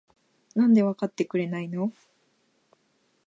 なんでわかってくれないの？？